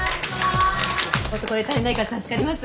男手足りないから助かります。